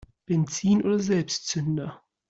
Benzin oder Selbstzünder?